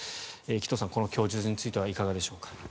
紀藤さん、この供述についてはいかがでしょうか。